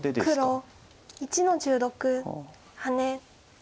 黒１の十六ハネ。